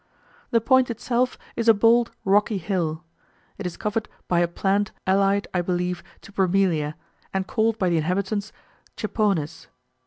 The point itself is a bold rocky hill. It is covered by a plant allied, I believe, to Bromelia, and called by the inhabitants Chepones.